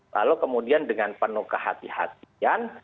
lalu kemudian dengan penuh kehati hatian